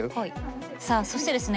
さあそしてですね